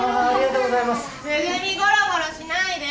ありがとうございます。